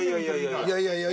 いやいやいや。